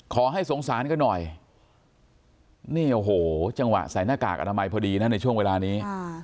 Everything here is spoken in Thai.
ขอให้สงสารกันหน่อยนี่โอ้โหจังหวะใส่หน้ากากอนามัยพอดีนะในช่วงเวลานี้